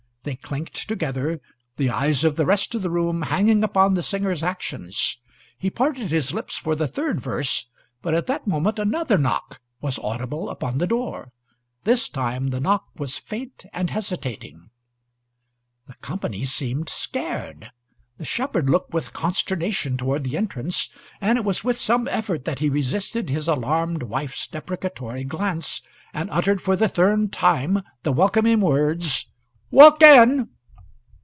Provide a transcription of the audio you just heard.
They clinked together, the eyes of the rest of the room hanging upon the singer's actions. He parted his lips for the third verse, but at that moment another knock was audible upon the door. This time the knock was faint and hesitating. The company seemed scared; the shepherd looked with consternation toward the entrance, and it was with some effort that he resisted his alarmed wife's deprecatory glance, and uttered for the third time the welcoming words, "Walk in!"